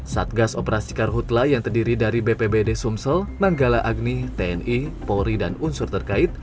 satgas operasi karhutlah yang terdiri dari bpbd sumsel manggala agni tni polri dan unsur terkait